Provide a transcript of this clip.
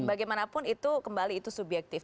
bagaimanapun itu kembali itu subjektif